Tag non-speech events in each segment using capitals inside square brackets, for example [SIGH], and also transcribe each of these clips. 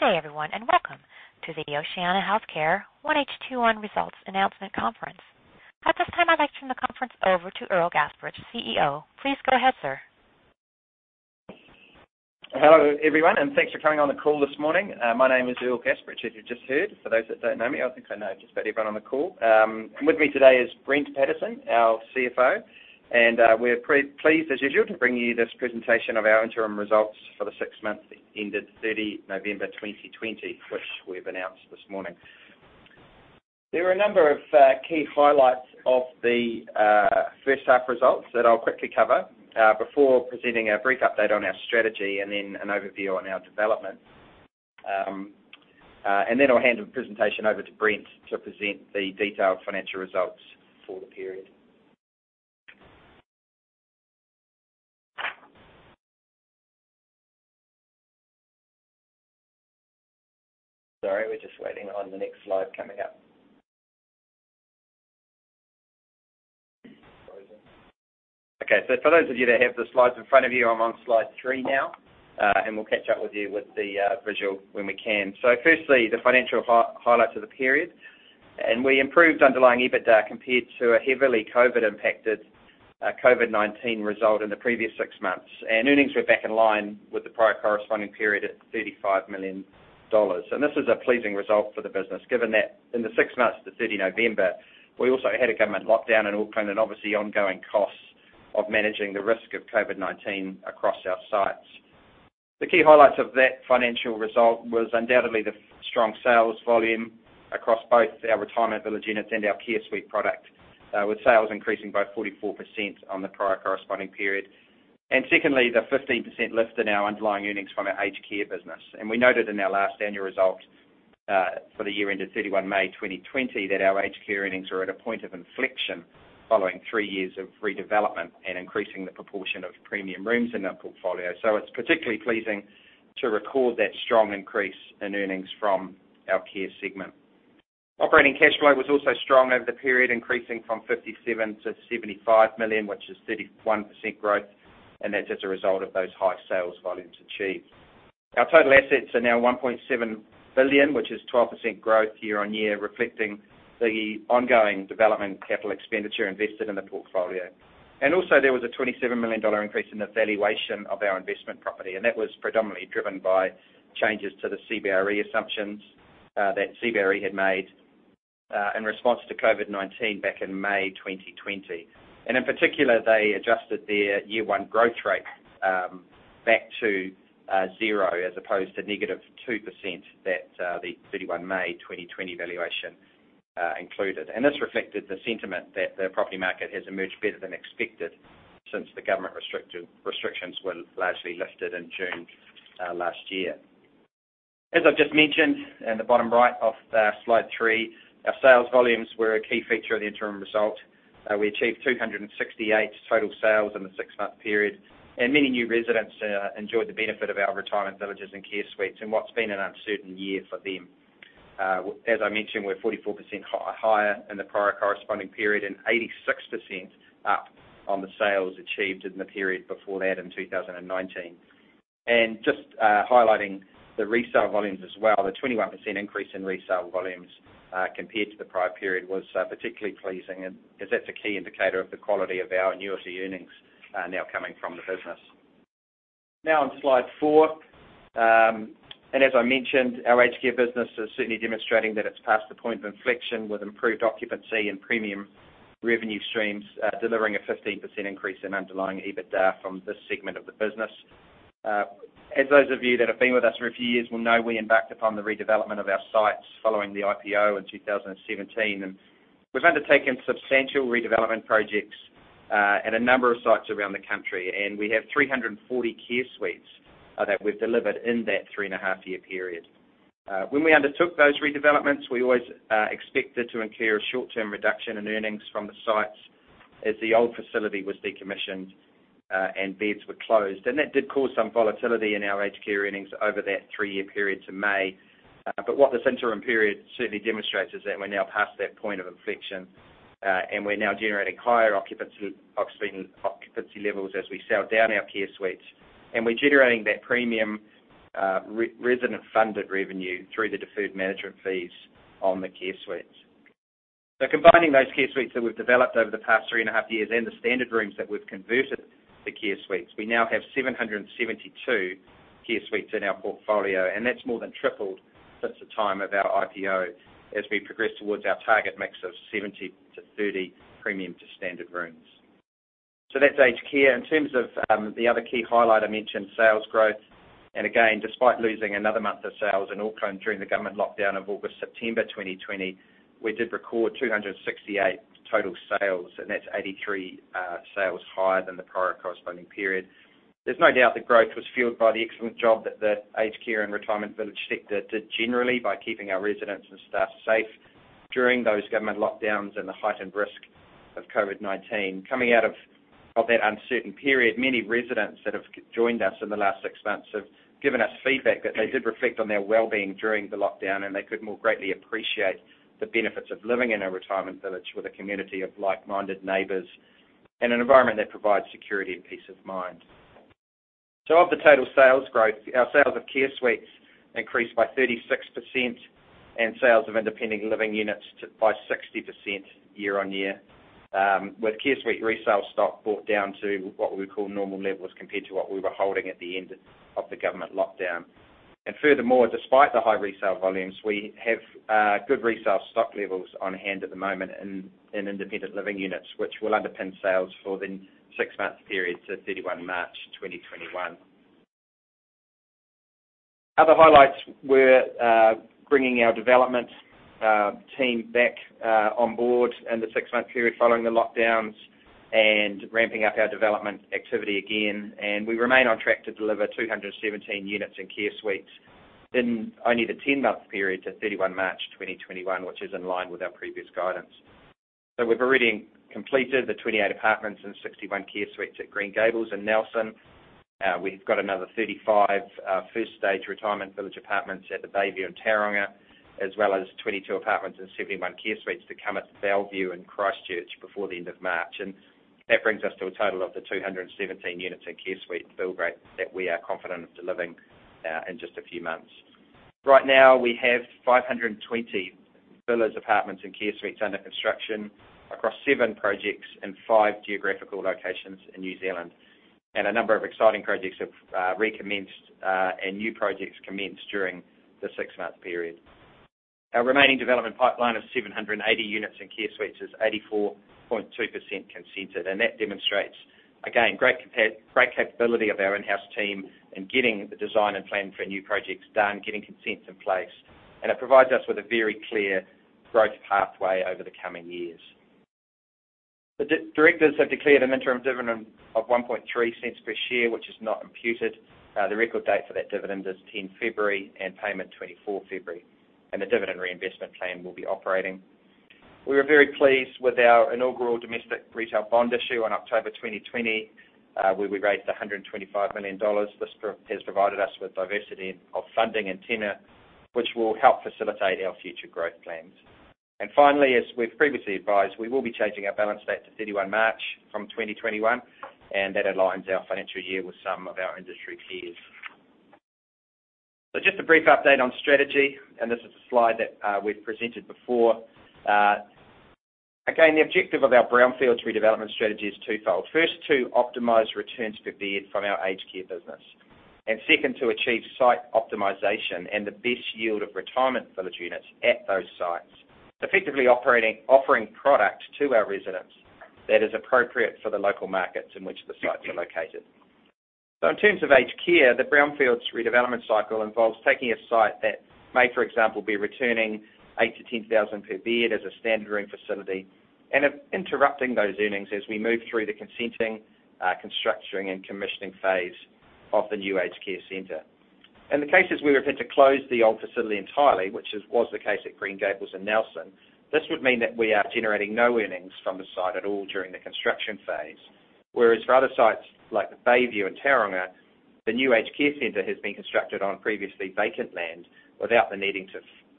Good day everyone, welcome to the Oceania Healthcare 1H 2021 results announcement conference. At this time, I'd like to turn the conference over to Earl Gasparich, CEO. Please go ahead, sir. Hello, everyone, thanks for coming on the call this morning. My name is Earl Gasparich, as you just heard. For those that don't know me, I think I know just about everyone on the call. With me today is Brent Pattison, our CFO. We're pretty pleased, as usual, to bring you this presentation of our interim results for the six months that ended 30 November 2020, which we've announced this morning. There are a number of key highlights of the first half results that I'll quickly cover, before presenting a brief update on our strategy and then an overview on our development. Then I'll hand the presentation over to Brent to present the detailed financial results for the period. Sorry, we're just waiting on the next slide coming up. Okay. For those of you that have the slides in front of you, I'm on slide three now. We'll catch up with you with the visual when we can. Firstly, the financial highlights of the period. We improved underlying EBITDA compared to a heavily COVID-impacted COVID-19 result in the previous six months. Earnings were back in line with the prior corresponding period at 35 million dollars. This is a pleasing result for the business, given that in the six months to 30 November, we also had a government lockdown in Auckland and obviously ongoing costs of managing the risk of COVID-19 across our sites. The key highlights of that financial result was undoubtedly the strong sales volume across both our retirement village units and our care suite product, with sales increasing by 44% on the prior corresponding period. Secondly, the 15% lift in our underlying earnings from our aged care business. We noted in our last annual results, for the year ended 31 May 2020, that our aged care earnings are at a point of inflection following three years of redevelopment and increasing the proportion of premium rooms in our portfolio. It's particularly pleasing to record that strong increase in earnings from our care segment. Operating cash flow was also strong over the period, increasing from 57 million to 75 million, which is 31% growth, and that's as a result of those high sales volumes achieved. Our total assets are now 1.7 billion, which is 12% growth year-on-year, reflecting the ongoing development capital expenditure invested in the portfolio. There was a 27 million dollar increase in the valuation of our investment property, and that was predominantly driven by changes to the CBRE assumptions that CBRE had made in response to COVID-19 back in May 2020. In particular, they adjusted their year one growth rate back to zero as opposed to -2% that the 31 May 2020 valuation included. This reflected the sentiment that the property market has emerged better than expected since the government restrictions were largely lifted in June last year. As I've just mentioned, in the bottom right of slide three, our sales volumes were a key feature of the interim result. We achieved 268 total sales in the six-month period, and many new residents enjoyed the benefit of our retirement villages and care suites in what's been an uncertain year for them. As I mentioned, we're 44% higher than the prior corresponding period and 86% up on the sales achieved in the period before that in 2019. Just highlighting the resale volumes as well, the 21% increase in resale volumes compared to the prior period was particularly pleasing as that's a key indicator of the quality of our annuity earnings now coming from the business. Now on slide four, and as I mentioned, our aged care business is certainly demonstrating that it's past the point of inflection with improved occupancy and premium revenue streams delivering a 15% increase in underlying EBITDA from this segment of the business. As those of you that have been with us for a few years will know, we embarked upon the redevelopment of our sites following the IPO in 2017. We've undertaken substantial redevelopment projects at a number of sites around the country. We have 340 care suites that we've delivered in that 3.5 year period. When we undertook those redevelopments, we always expected to incur a short-term reduction in earnings from the sites as the old facility was decommissioned and beds were closed. That did cause some volatility in our aged care earnings over that three-year period to May. What this interim period certainly demonstrates is that we're now past that point of inflection, and we're now generating higher occupancy levels as we sell down our care suites. We're generating that premium resident-funded revenue through the deferred management fees on the care suites. Combining those care suites that we've developed over the past 3.5 years and the standard rooms that we've converted to care suites, we now have 772 care suites in our portfolio, and that's more than tripled since the time of our IPO as we progress towards our target mix of 70:30 premium to standard rooms. That's aged care. Again, despite losing another month of sales in Auckland during the government lockdown of August, September 2020, we did record 268 total sales, and that's 83 sales higher than the prior corresponding period. There's no doubt the growth was fueled by the excellent job that the aged care and retirement village sector did generally by keeping our residents and staff safe during those government lockdowns and the heightened risk of COVID-19. Coming out of that uncertain period, many residents that have joined us in the last six months have given us feedback that they did reflect on their wellbeing during the lockdown, and they could more greatly appreciate the benefits of living in a retirement village with a community of like-minded neighbors. An environment that provides security and peace of mind. Of the total sales growth, our sales of care suites increased by 36%, and sales of independent living units by 60% year-on-year. With care suite resale stock brought down to what we call normal levels compared to what we were holding at the end of the government lockdown. Furthermore, despite the high resale volumes, we have good resale stock levels on hand at the moment in independent living units, which will underpin sales for the six-month period to 31 March 2021. Other highlights were bringing our development team back on board in the six-month period following the lockdowns and ramping up our development activity again. We remain on track to deliver 217 units in care suites in only the 10-month period to 31 March 2021, which is in line with our previous guidance. We've already completed the 28 apartments and 61 care suites at Green Gables in Nelson. We've got another 35 first-stage retirement village apartments at The Bayview in Tauranga, as well as 22 apartments and 71 care suites to come at The Bellevue in Christchurch before the end of March. That brings us to a total of the 217 units and care suite build rate that we are confident of delivering in just a few months. Right now, we have 520 villas, apartments, and care suites under construction across seven projects in five geographical locations in New Zealand. A number of exciting projects have recommenced, and new projects commenced during the six-month period. Our remaining development pipeline of 780 units and care suites is 84.2% consented. That demonstrates, again, great capability of our in-house team in getting the design and plan for new projects done, getting consents in place, and it provides us with a very clear growth pathway over the coming years. The directors have declared an interim dividend of 0.013 per share, which is not imputed. The record date for that dividend is 10 February and payment 24 February, and the dividend reinvestment plan will be operating. We were very pleased with our inaugural domestic retail bond issue on October 2020, where we raised 125 million dollars. This has provided us with diversity of funding and tenure, which will help facilitate our future growth plans. Finally, as we've previously advised, we will be changing our balance date to 31 March from 2021, and that aligns our financial year with some of our industry peers. Just a brief update on strategy, and this is a slide that we've presented before. Again, the objective of our brownfields redevelopment strategy is twofold. First, to optimize returns per bed from our aged care business. Second, to achieve site optimization and the best yield of retirement village units at those sites, effectively offering product to our residents that is appropriate for the local markets in which the sites are located. In terms of aged care, the brownfields redevelopment cycle involves taking a site that may, for example, be returning 8,000-10,000 per bed as a standard room facility and interrupting those earnings as we move through the consenting, constructing, and commissioning phase of the new aged care center. In the cases we refer to close the old facility entirely, which was the case at Green Gables in Nelson, this would mean that we are generating no earnings from the site at all during the construction phase. Whereas for other sites, like The Bayview in Tauranga, the new aged care center has been constructed on previously vacant land without the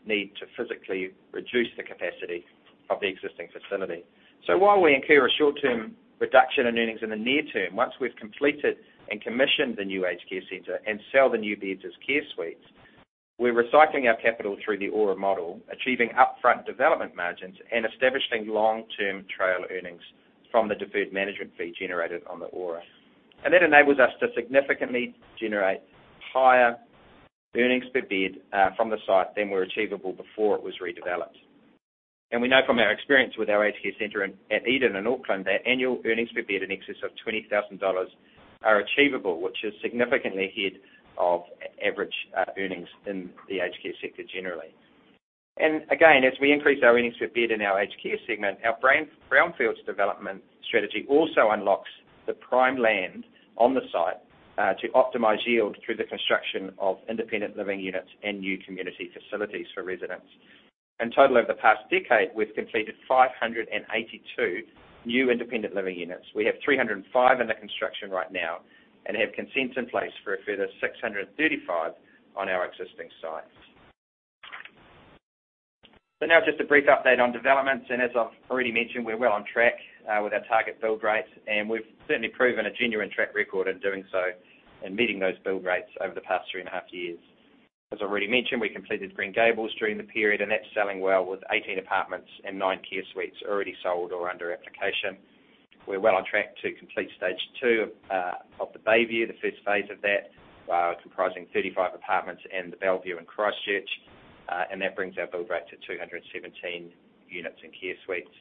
need to physically reduce the capacity of the existing facility. While we incur a short-term reduction in earnings in the near term, once we've completed and commissioned the new aged care center and sell the new beds as care suites, we're recycling our capital through the ORA model, achieving upfront development margins and establishing long-term trail earnings from the deferred management fee generated on the ORA. That enables us to significantly generate higher earnings per bed from the site than were achievable before it was redeveloped. We know from our experience with our aged care center at Eden in Auckland, that annual earnings per bed in excess of 20,000 dollars are achievable, which is significantly ahead of average earnings in the aged care sector generally. Again, as we increase our earnings per bed in our aged care segment, our brownfields development strategy also unlocks the prime land on the site to optimize yield through the construction of independent living units and new community facilities for residents. In total, over the past decade, we've completed 582 new independent living units. We have 305 under construction right now and have consents in place for a further 635 on our existing sites. Now just a brief update on developments. As I've already mentioned, we're well on track with our target build rates, and we've certainly proven a genuine track record in doing so and meeting those build rates over the past 3.5 years. As I've already mentioned, we completed Green Gables during the period, and that's selling well with 18 apartments and nine care suites already sold or under application. We're well on track to complete Stage 2 of The Bayview, the first phase of that, comprising 35 apartments and The Bellevue in Christchurch. That brings our build rate to 217 units and care suites.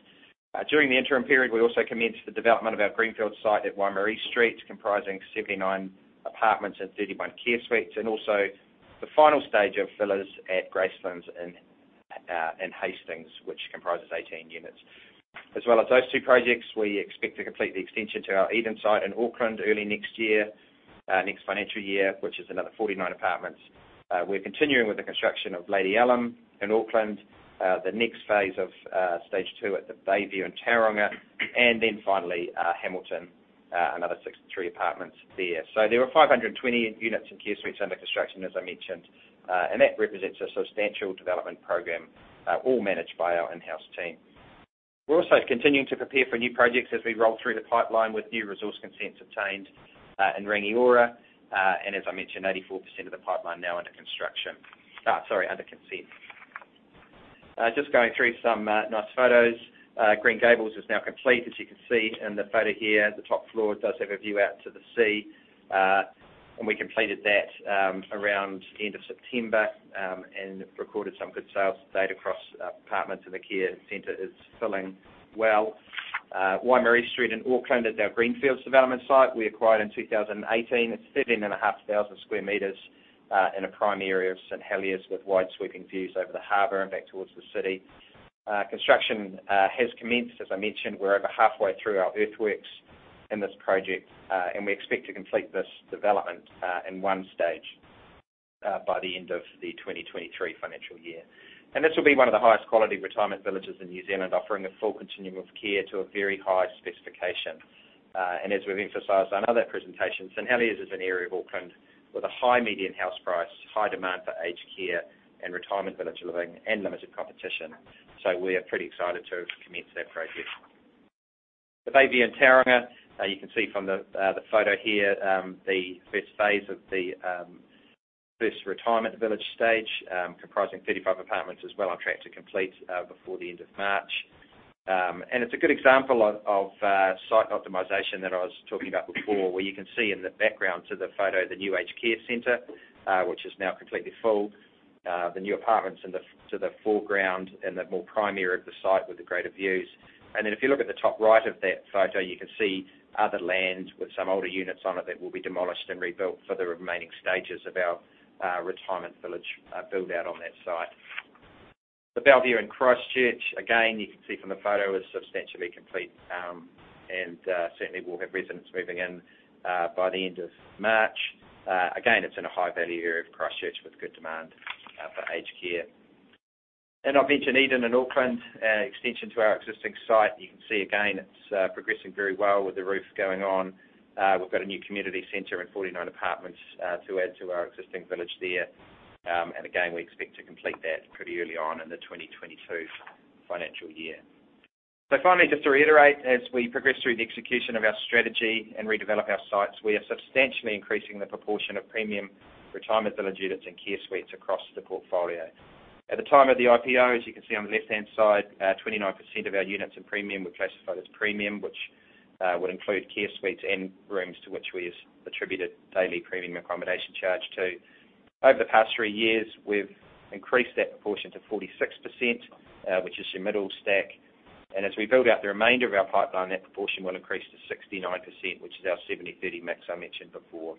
During the interim period, we also commenced the development of our greenfield site at Waimarie Street, comprising 79 apartments and 31 care suites, and also the final stage of villas at Gracelands in Hastings, which comprises 18 units. As well as those two projects, we expect to complete the extension to our Eden site in Auckland early next year, next financial year, which is another 49 apartments. We're continuing with the construction of Lady Allum in Auckland, the next phase of Stage 2 at The Bayview in Tauranga. Then finally, Hamilton, another 63 apartments there. There are 520 units and care suites under construction, as I mentioned. That represents a substantial development program, all managed by our in-house team. We're also continuing to prepare for new projects as we roll through the pipeline with new resource consents obtained in Rangiora. As I mentioned, 84% of the pipeline now under construction. Sorry, under consent. Just going through some nice photos. Green Gables is now complete, as you can see in the photo here. The top floor does have a view out to the sea. We completed that around the end of September, and recorded some good sales data across apartments, and the care center is filling well. Waimarie Street in Auckland is our greenfield development site we acquired in 2018. It's 13,500 square meters in a prime area of St. Heliers with wide sweeping views over the harbor and back towards the city. Construction has commenced. As I mentioned, we're over halfway through our earthworks in this project, we expect to complete this development in one stage by the end of the 2023 financial year. This will be one of the highest quality retirement villages in New Zealand, offering a full continuum of care to a very high specification. As we've emphasized on other presentations, St Heliers is an area of Auckland with a high median house price, high demand for aged care and retirement village living, and limited competition. We are pretty excited to commence that project. The Bayview in Tauranga, you can see from the photo here, the first phase of the first retirement village stage, comprising 35 apartments as well, on track to complete before the end of March. It's a good example of site optimization that I was talking about before, where you can see in the background to the photo the new aged care center, which is now completely full. The new apartments to the foreground and the more prime area of the site with the greater views. If you look at the top right of that photo, you can see other land with some older units on it that will be demolished and rebuilt for the remaining stages of our retirement village build-out on that site. The Bellevue in Christchurch, again, you can see from the photo is substantially complete, and certainly we'll have residents moving in by the end of March. Again, it's in a high-value area of Christchurch with good demand for aged care. I've mentioned Eden in Auckland, extension to our existing site. You can see again, it's progressing very well with the roof going on. We've got a new community center and 49 apartments to add to our existing village there. Again, we expect to complete that pretty early on in the 2022 financial year. Finally, just to reiterate, as we progress through the execution of our strategy and redevelop our sites, we are substantially increasing the proportion of premium retirement village units and care suites across the portfolio. At the time of the IPO, as you can see on the left-hand side, 29% of our units in premium were classified as premium, which would include care suites and rooms to which we attributed daily premium accommodation charge to. Over the past three years, we've increased that proportion to 46%, which is your middle stack. As we build out the remainder of our pipeline, that proportion will increase to 69%, which is our 70/30 mix I mentioned before.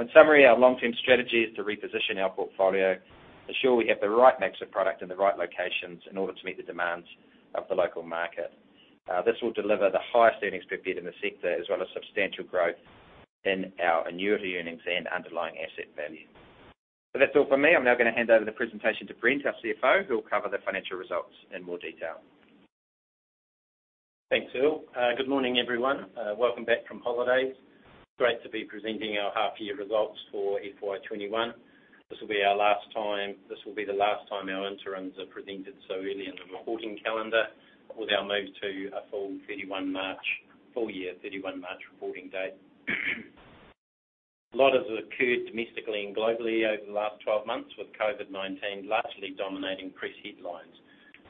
In summary, our long-term strategy is to reposition our portfolio, ensure we have the right mix of product in the right locations in order to meet the demands of the local market. This will deliver the highest earnings per bed in the sector, as well as substantial growth in our annuity earnings and underlying asset value. That's all from me. I'm now going to hand over the presentation to Brent, our CFO, who will cover the financial results in more detail. Thanks, Earl. Good morning, everyone. Welcome back from holidays. Great to be presenting our half year results for FY 2021. This will be the last time our interims are presented so early in the reporting calendar with our move to a full year 31 March reporting date. A lot has occurred domestically and globally over the last 12 months with COVID-19 largely dominating press headlines.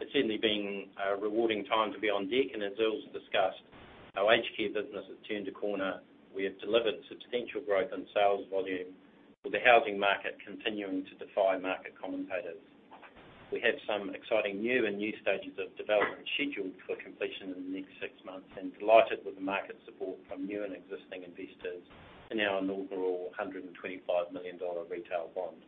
It's certainly been a rewarding time to be on deck, and as Earl's discussed, our aged care business has turned a corner. We have delivered substantial growth in sales volume with the housing market continuing to defy market commentators. We have some exciting new and new stages of development scheduled for completion in the next six months and delighted with the market support from new and existing investors in our inaugural 125 million dollar retail bond.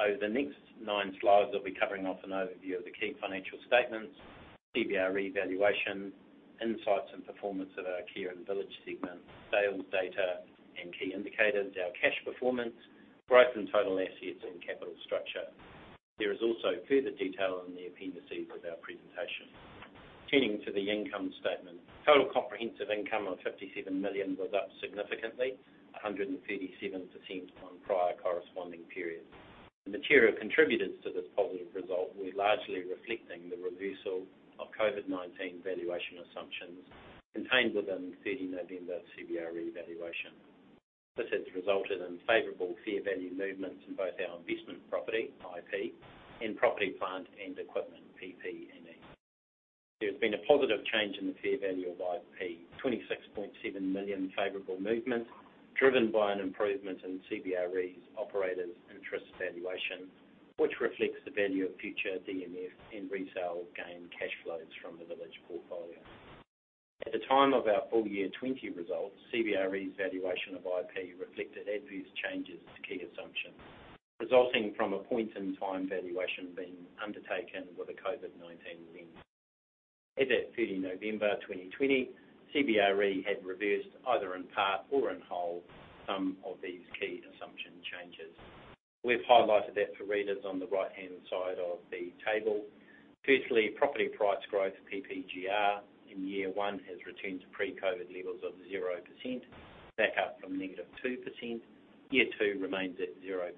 Over the next nine slides, I'll be covering off an overview of the key financial statements, CBRE valuation, insights and performance of our care and village segment, sales data and key indicators, our cash performance, growth in total assets and capital structure. There is also further detail in the appendices of our presentation. Turning to the income statement. Total comprehensive income of 57 million was up significantly, 137% on prior corresponding periods. The material contributors to this positive result were largely reflecting the reversal of COVID-19 valuation assumptions contained within 30 November CBRE valuation. This has resulted in favorable fair value movements in both our investment property, IP, and property, plant, and equipment, PP&E. There has been a positive change in the fair value of IP, 26.7 million favorable movement, driven by an improvement in CBRE's operators interest valuation, which reflects the value of future DMF and resale gain cash flows from the village portfolio. At the time of our full year 2020 results, CBRE's valuation of IP reflected adverse changes to key assumptions resulting from a point in time valuation being undertaken with a COVID-19 lens. As at 30 November 2020, CBRE had reversed either in part or in whole, of these key assumption changes. We've highlighted that for readers on the right-hand side of the table. Firstly, property price growth, PPGR, in year one has returned to pre-COVID levels of 0%, back up from -2%. Year-two remains at 0%.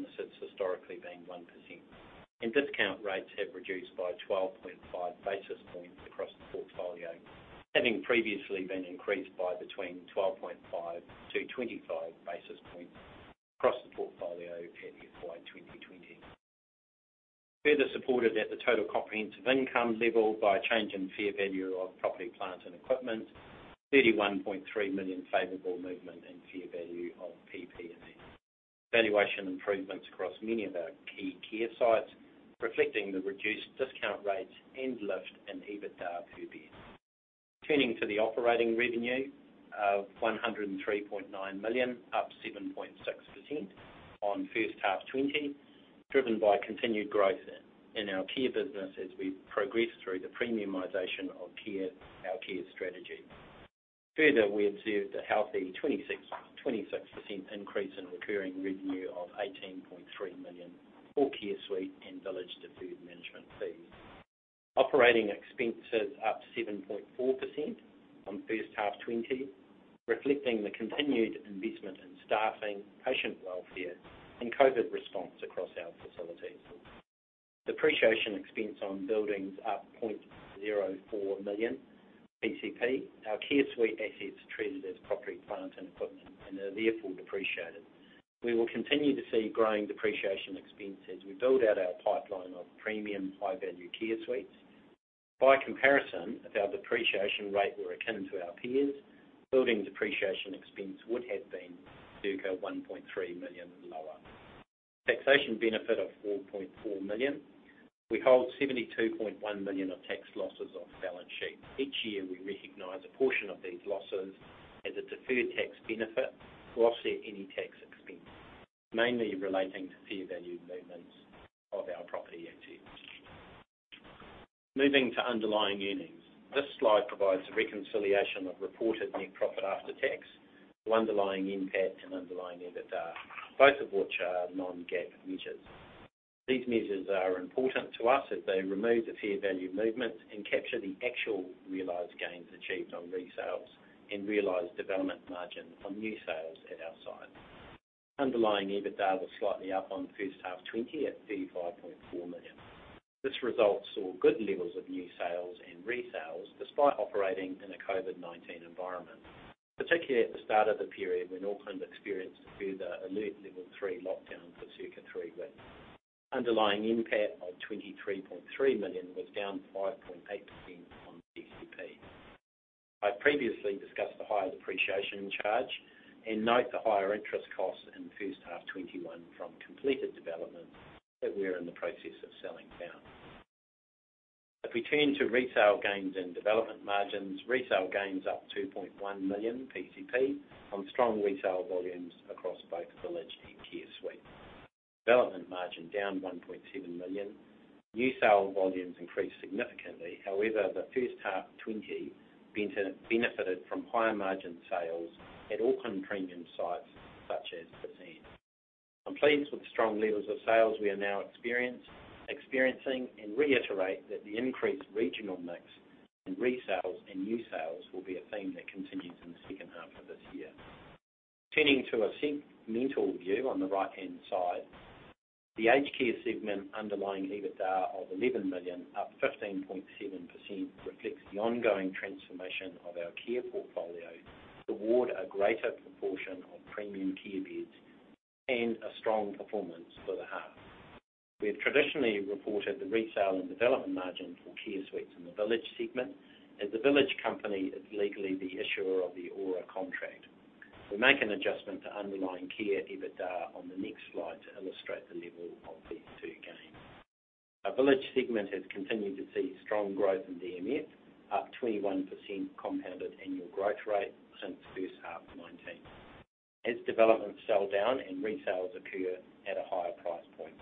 This has historically been 1%. Discount rates have reduced by 12.5 basis points across the portfolio, having previously been increased by between 12.5-25 basis points across the portfolio for the year FY 2020. Further supported at the total comprehensive income level by a change in fair value of property, plant, and equipment, 31.3 million favorable movement in fair value of PP&E. Valuation improvements across many of our key care suites, reflecting the reduced discount rates and lift in EBITDA per bed. Turning to the operating revenue of 103.9 million, up 7.6% on first half 2020, driven by continued growth in our care business as we progress through the premiumization of our care strategy. Further, we observed a healthy 26% increase in recurring revenue of 18.3 million for care suite and Village deferred management fees. Operating expenses up 7.4% on first half 2020, reflecting the continued investment in staffing, patient welfare, and COVID response across our facilities. Depreciation expense on buildings up 0.04 million on PCP. Our care suite assets are treated as property, plant, and equipment and are therefore depreciated. We will continue to see growing depreciation expense as we build out our pipeline of premium high-value care suites. By comparison, if our depreciation rate were akin to our peers, building depreciation expense would have been circa 1.3 million lower. Taxation benefit of 4.4 million. We hold 72.1 million of tax losses on the balance sheet. Each year, we recognize a portion of these losses as a deferred tax benefit to offset any tax expense, mainly relating to fair value movements of our property assets. Moving to underlying earnings. This slide provides a reconciliation of reported net profit after tax to underlying NPAT and underlying EBITDA, both of which are non-GAAP measures. These measures are important to us as they remove the fair value movements and capture the actual realized gains achieved on resales and realized development margin on new sales at our sites. Underlying EBITDA was slightly up on first half 2020 at 35.4 million. This result saw good levels of new sales and resales despite operating in a COVID-19 environment, particularly at the start of the period when Auckland experienced a further Alert Level 3 lockdown for circa three weeks. Underlying NPAT of 23.3 million was down 5.8% on PCP. I previously discussed the higher depreciation charge and note the higher interest costs in first half 2021 from completed developments that we're in the process of selling down. We turn to resale gains and development margins, resale gains up 2.1 million PCP on strong resale volumes across both village and care suite. Development margin down 1.7 million. New sale volumes increased significantly. However, the first half 2020 benefited from higher margin sales at Auckland premium sites such as. [AUDIO DISTORTION] I'm pleased with the strong levels of sales we are now experiencing and reiterate that the increased regional mix in resales and new sales will be a theme that continues in the second half of this year. Turning to a segmental view on the right-hand side. The Aged Care segment underlying EBITDA of 11 million, up 15.7%, reflects the ongoing transformation of our care portfolio toward a greater proportion of premium care beds and a strong performance for the half. We have traditionally reported the resale and development margin for care suites in the Village segment, as the Village company is legally the issuer of the ORA contract. We make an adjustment to underlying care EBITDA on the next slide to illustrate the level of these two gains. Our Village segment has continued to see strong growth in DMF, up 21% compounded annual growth rate since first half 2020, as developments sell down and resales occur at a higher price point.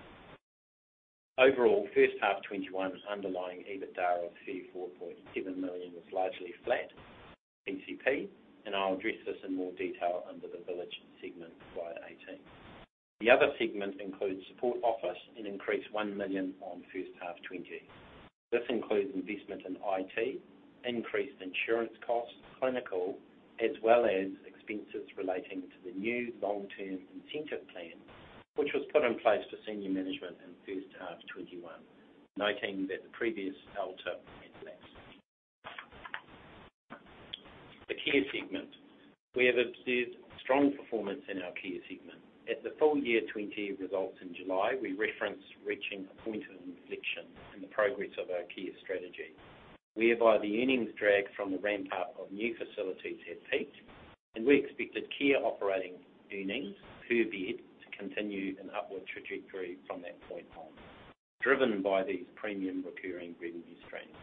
Overall, first half 2021 underlying EBITDA of 34.7 million was largely flat PCP. I'll address this in more detail under the Village segment, slide 18. The other segment includes support office and increased 1 million on first half 2020. This includes investment in IT, increased insurance costs, clinical, as well as expenses relating to the new long-term incentive plan, which was put in place for senior management in first half 2021, noting that the previous LTIP had lapsed. The Care segment. We have observed strong performance in our Care segment. At the full-year 2020 results in July, we referenced reaching a point of inflection in the progress of our Care strategy, whereby the earnings drag from the ramp-up of new facilities had peaked, and we expected Care operating earnings per bed to continue an upward trajectory from that point on, driven by these premium recurring revenue streams.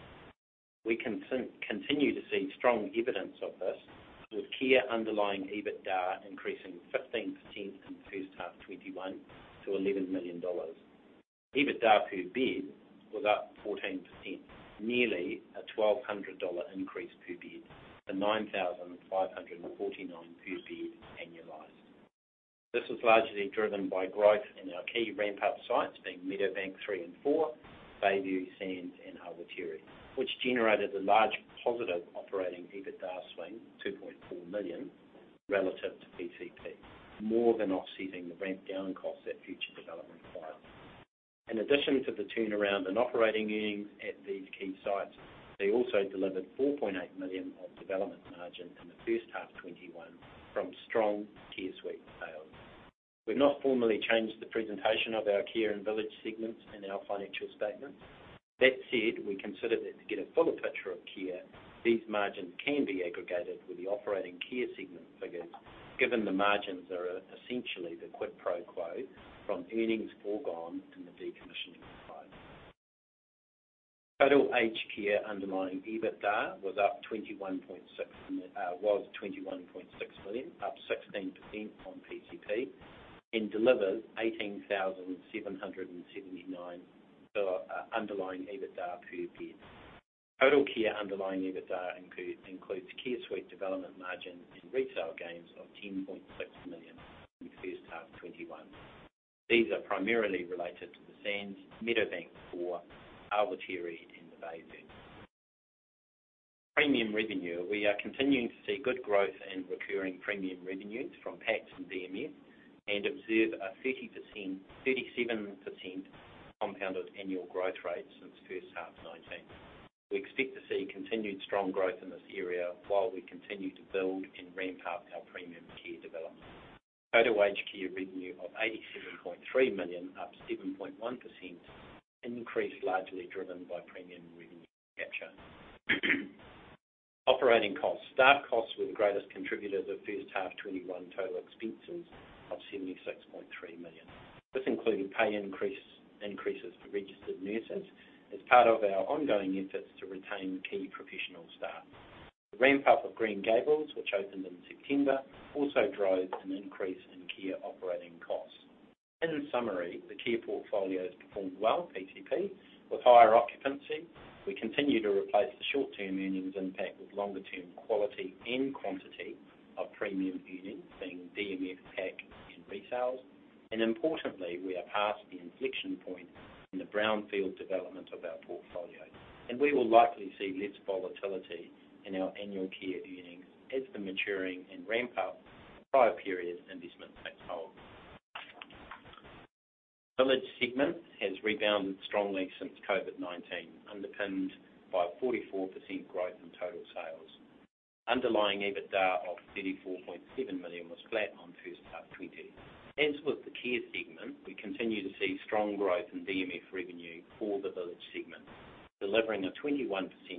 We continue to see strong evidence of this, with Care underlying EBITDA increasing 15% in first half 2021 to NZD 11 million. EBITDA per bed was up 14%, nearly a 1,200 dollar increase per bed to 9,549 per bed annualized. This was largely driven by growth in our key ramp-up sites being Meadowbank 3 and 4, Bayview, Sands, and Awatere, which generated a large positive operating EBITDA swing, 2.4 million, relative to PCP, more than offsetting the ramp down costs that future development required. In addition to the turnaround in operating earnings at these key sites, they also delivered 4.8 million of development margin in the first half 2021 from strong care suites sales. We've not formally changed the presentation of our Care and Village segments in our financial statements. That said, we consider that to get a fuller picture of Care, these margins can be aggregated with the operating Care segment figures, given the margins are essentially the quid pro quo from earnings foregone in the decommissioning of homes. Total aged care underlying EBITDA was 21.6 million, up 16% on PCP and delivers 18,779 underlying EBITDA per bed. Total care underlying EBITDA includes care suite development margins and resale gains of 10.6 million in the first half 2021. These are primarily related to the Sands, Meadowbank 4, Awatere, and Bayview. Premium revenue, we are continuing to see good growth in recurring premium revenues from PACs and DMF and observe a 37% compounded annual growth rate since first half 2019. We expect to see continued strong growth in this area while we continue to build and ramp up our premium care development. Total aged care revenue of 87.3 million, up 7.1%, an increase largely driven by premium revenue capture. Operating costs. Staff costs were the greatest contributor to first half 2021 total expenses of 76.3 million. This included pay increases for registered nurses as part of our ongoing efforts to retain key professional staff. The ramp-up of Green Gables, which opened in September, also drove an increase in care operating costs. In summary, the care portfolio has performed well PCP. With higher occupancy, we continue to replace the short-term earnings impact with longer-term quality and quantity of premium earnings, being DMF, PAC, and resales. Importantly, we are past the inflection point in the brownfield development of our portfolio, and we will likely see less volatility in our annual care earnings as the maturing and ramp-up of prior period investments takes hold. Village segment has rebounded strongly since COVID-19, underpinned by a 44% growth in total sales. Underlying EBITDA of 34.7 million was flat on first half 2020. As with the Care segment, we continue to see strong growth in DMF revenue for the Village segment, delivering a 21%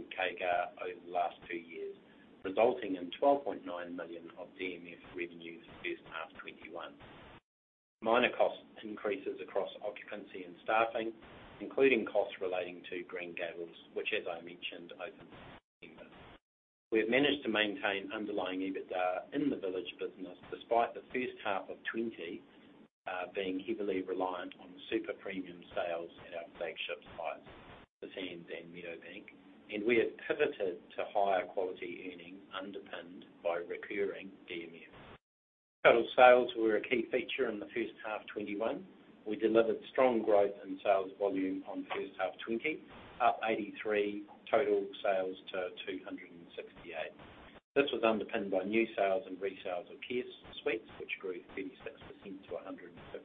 CAGR over the last two years, resulting in 12.9 million of DMF revenue for first half 2021. Minor cost increases across occupancy and staffing, including costs relating to Green Gables, which as I mentioned, opened in September. We've managed to maintain underlying EBITDA in the village business despite the first half of 2020 being heavily reliant on super premium sales at our flagship sites, The Sands and Meadowbank, and we have pivoted to higher quality earnings underpinned by recurring DMF. Total sales were a key feature in the first half 2021. We delivered strong growth in sales volume on first half 2020, up 83 total sales to 268. This was underpinned by new sales and resales of care suites, which grew 36% to 159.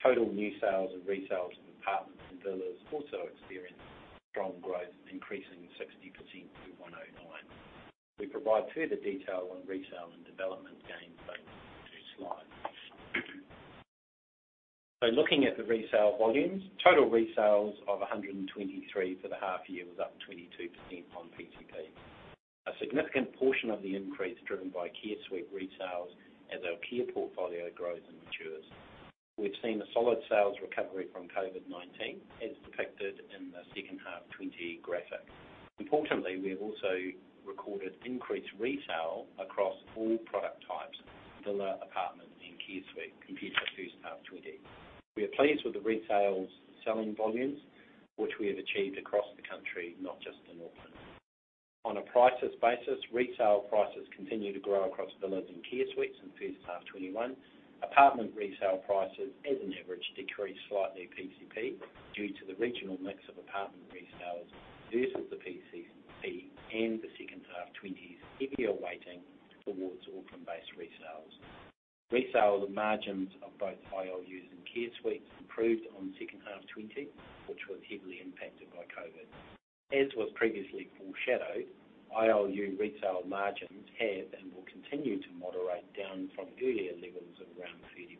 Total new sales and resales of apartments and villas also experienced strong growth, increasing 60% to 109. We provide further detail on resale and development gains later in the slide. Looking at the resale volumes, total resales of 123 for the half year was up 22% on PCP. A significant portion of the increase driven by care suite resales as our care portfolio grows and matures. We've seen a solid sales recovery from COVID-19, as depicted in the second half 2020 graphic. Importantly, we have also recorded increased resale across all product types, villa, apartment, and care suite compared to the first half 2020. We are pleased with the resale selling volumes, which we have achieved across the country, not just in Auckland. On a prices basis, resale prices continue to grow across villas and care suites in first half 2021. Apartment resale prices as an average decreased slightly PCP due to the regional mix of apartment resales versus the PCP and the second half 2020's heavier weighting towards Auckland-based resales. Resale margins of both ILUs and care suites improved on second half 2020, which was heavily impacted by COVID-19. As was previously foreshadowed, ILU resale margins have and will continue to moderate down from earlier levels of around 30%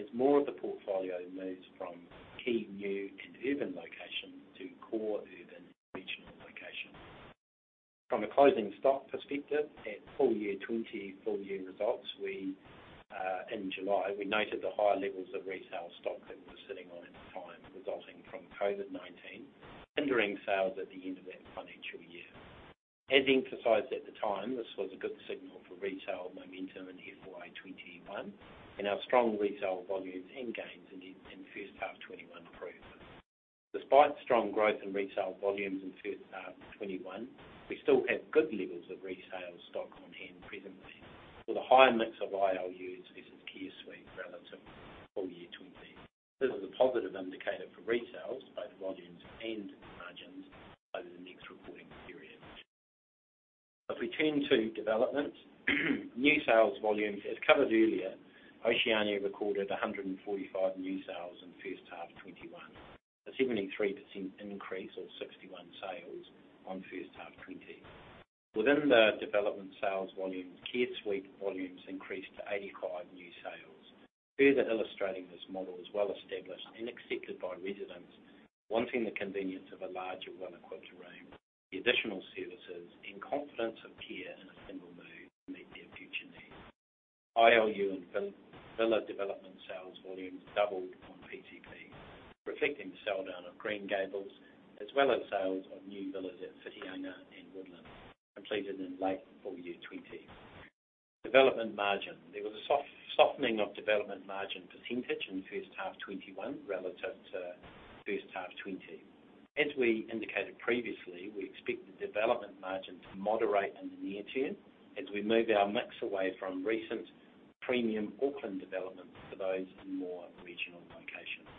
as more of the portfolio moves from key new and urban locations to core urban regional locations. From a closing stock perspective, 2020 full-year results in July, we noted the higher levels of resale stock that we were sitting on at the time, resulting from COVID-19, hindering sales at the end of the [AUDIO DISTORTION] full-year. As emphasized at the time, this was a good signal for retail momentum in FY 2021, and our strong retail volumes and gains in first half 2021 proved it. Despite strong growth in retail volumes in first half 2021, we still have good levels of resale stock on hand presently, with a higher mix of ILUs versus care suite relative to full-year 2020. This is a positive indicator for retails, both volumes and margins, over the next reporting period. If we turn to developments, new sales volumes, as covered earlier, Oceania recorded 145 new sales in first half 2021, a 73% increase or 61 sales on first half 2020. Within the development sales volumes, care suites volumes increased to 85 new sales, further illustrating this model is well established and accepted by residents wanting the convenience of a larger, well-equipped room, the additional services, and confidence of care in a single move to meet their future needs. ILU and villa development sales volumes doubled on PCP, reflecting the sell-down of Green Gables, as well as sales of new villas at Whitianga and Woodlands completed in late full-year 2020. Development margin. There was a softening of development margin percentage in first half 2021 relative to first half 2020. As we indicated previously, we expect the development margin to moderate in the near term as we move our mix away from recent premium Auckland developments to those in more regional locations.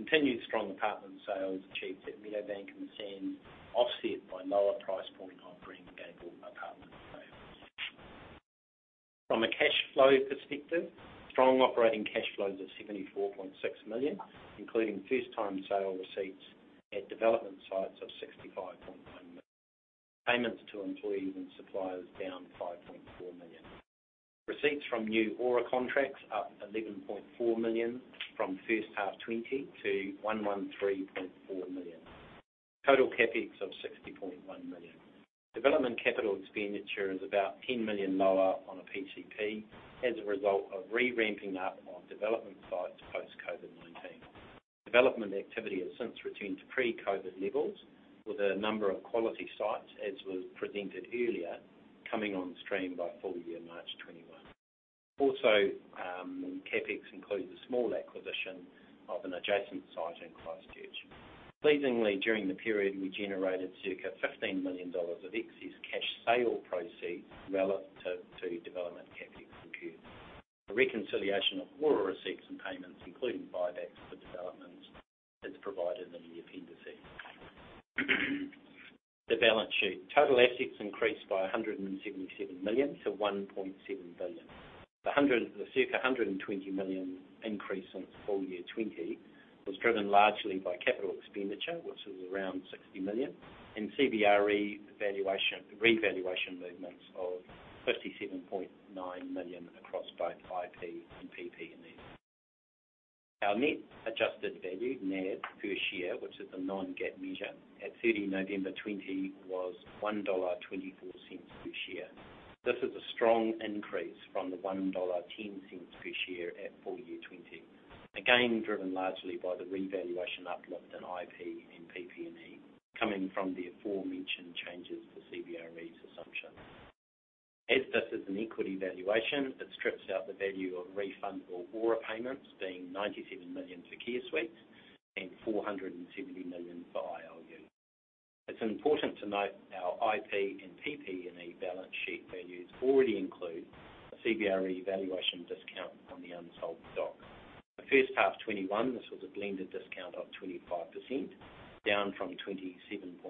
Continued strong apartment sales achieved at Meadowbank and Sands, offset by lower price point on Green Gables apartment sales. From a cash flow perspective, strong operating cash flows of 74.6 million, including first-time sale receipts at development sites of 65.1 million. Payments to employees and suppliers down 5.4 million. Receipts from new ORA contracts up 11.4 million from first half 2020 to 113.4 million. Total CapEx of 60.1 million. Development capital expenditure is about 10 million lower on a PCP as a result of re-ramping up on development sites post-COVID-19. Development activity has since returned to pre-COVID levels with a number of quality sites, as was presented earlier, coming on stream by full-year last 2021. Also, CapEx includes a small acquisition of an adjacent site in Christchurch. Pleasingly, during the period, we generated circa 15 million dollars of excess cash sale proceeds relative to development CapEx incurred. A reconciliation of ORA receipts and payments, including buybacks for developments, is provided in the appendix eight. The balance sheet. Total assets increased by 177 million to 1.7 billion. The circa 120 million increase on full year 2020 was driven largely by capital expenditure, which was around 60 million, and CBRE revaluation movements of 57.9 million across both IP and PP&E. Our net adjusted value, NAV, per share, which is a non-GAAP measure, at 30 November 2020 was 1.24 dollar per share. This is a strong increase from the 1.10 dollar per share at full year 2020, again, driven largely by the revaluation uplift in IP and PP&E coming from the aforementioned changes to CBRE's assumption. As this is an equity valuation, it strips out the value of refund or ORA payments, being 97 million for care suites and 470 million for ILUs. It's important to note our IP and PP&E balance sheet values already include a CBRE valuation discount on the unsold stock. The first half 2021, this was a blended discount of 25%, down from 27.3%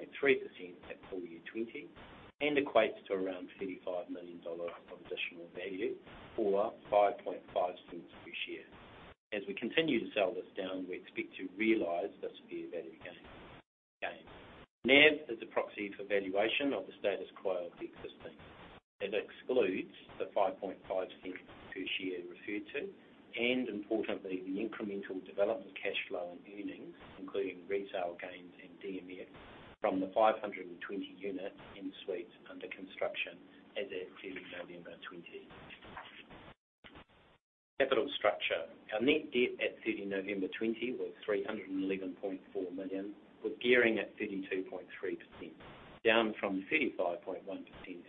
at full-yeart 2020, and equates to around NZD 35 million of additional value or 0.055 per share. As we continue to sell this down, we expect to realize this fair value gain. NAV is a proxy for valuation of the status quo of the existing. It excludes the 0.055 per share referred to, and importantly, the incremental development cash flow and earnings, including retail gains and DMF, from the 520-unit care suites under construction as at 30 November 2020. Capital structure. Our net debt at 30 November 2020 was 311.4 million, with gearing at 32.3%, down from 35.1%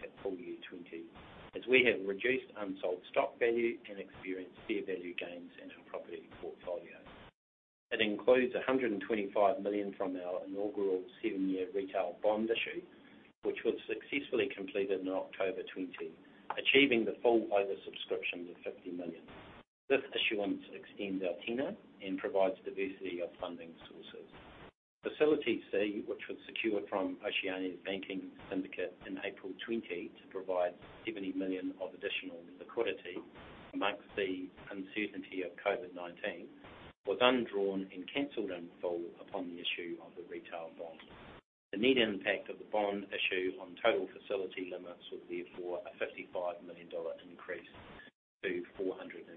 at full-year 2020, as we have reduced unsold stock value and experienced fair value gains in our property portfolio. It includes 125 million from our inaugural 7-year retail bond issue, which was successfully completed in October 2020, achieving the full oversubscription of 50 million. This issuance extends our tenor and provides diversity of funding sources. Facility C, which was secured from Oceania's banking syndicate in April 2020 to provide 70 million of additional liquidity amongst the uncertainty of COVID-19, was undrawn and canceled in full upon the issue of the retail bond. The net impact of the bond issue on total facility limits was therefore a 55 million dollar increase to 475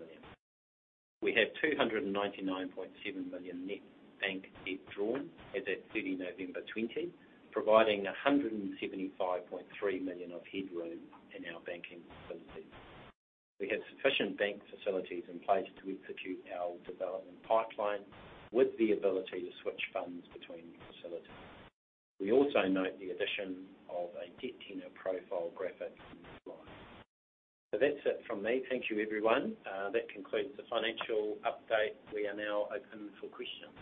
million. We have 299.7 million net bank debt drawn as at 30 November 2020, providing 175.3 million of headroom in our banking facilities We have sufficient bank facilities in place to execute our development pipeline with the ability to switch funds between facilities. We also note the addition of a debt tenor profile graphic in this slide. That's it from me. Thank you, everyone. That concludes the financial update. We are now open for questions.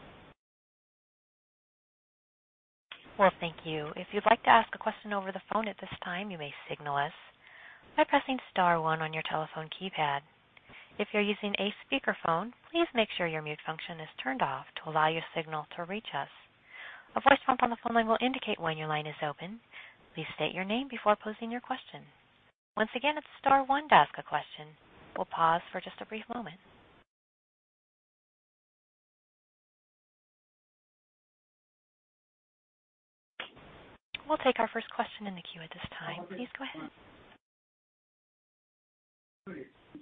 Well, thank you. If you'd like to ask a question over the phone at this time, you may signal us by pressing star one on your telephone keypad. If you're using a speakerphone, please make sure your mute function is turned off to allow your signal to reach us. A voice prompt on the phone line will indicate when your line is open. Please state your name before posing your question. Once again, it's star one to ask a question. We'll pause for just a brief moment. We'll take our first question in the queue at this time. Please go ahead.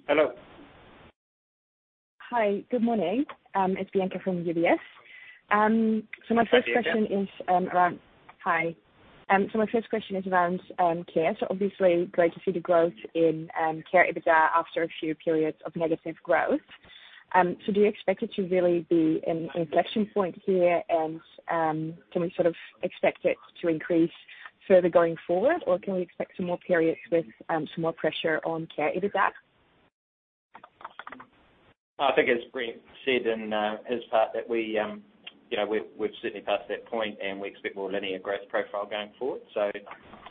Hello. Hi. Good morning. It's Bianca from UBS. My first question is around- Hi, Bianca. Hi. My first question is around care. Obviously, great to see the growth in Care EBITDA after a few periods of negative growth. Do you expect it to really be an inflection point here, and can we expect it to increase further going forward? Can we expect some more periods with some more pressure on Care EBITDA? I think as Brent said in his part that we've certainly passed that point, we expect more linear growth profile going forward.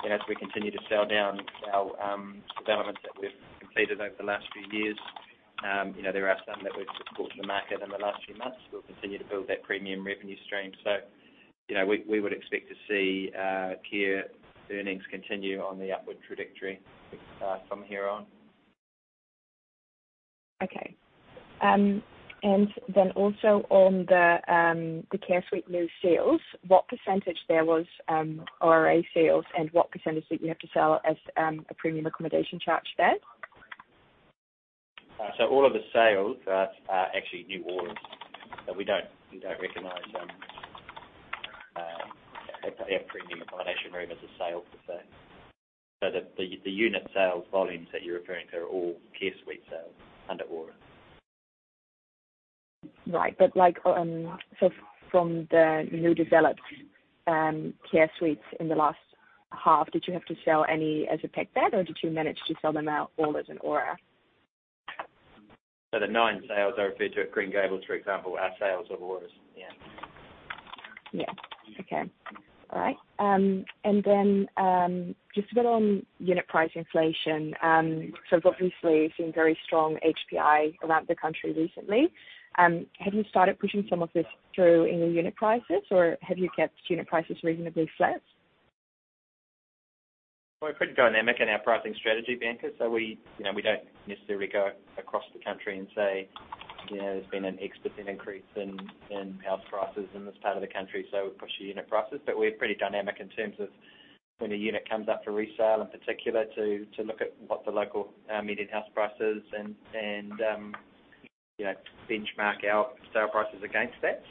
As we continue to sell down our developments that we've completed over the last few years, there are some that we've brought to the market in the last few months. We'll continue to build that premium revenue stream. We would expect to see Care earnings continue on the upward trajectory from here on. Okay. Then also on the care suite new sales, what percentage there was ORA sales and what percentage did you have to sell as a Premium Accommodation Charge there? All of the sales are actually new orders. We don't recognize our Premium Accommodation Room as a sale per se. The unit sales volumes that you're referring to are all Care Suite sales under ORA. Right. From the new developed care suites in the last half, did you have to sell any as a PAC bed, or did you manage to sell them out all as an ORA? The nine sales I referred to at Green Gables, for example, are sales of ORAs. Yeah. Okay. All right. Then just a bit on unit price inflation. We've obviously seen very strong HPI around the country recently. Have you started pushing some of this through in your unit prices, or have you kept unit prices reasonably flat? We're pretty dynamic in our pricing strategy, Bianca. We don't necessarily go across the country and say there's been an x-percent increase in house prices in this part of the country, so we'll push the unit prices. We're pretty dynamic in terms of when a unit comes up for resale, in particular, to look at what the local median house price is and benchmark our sale prices against that.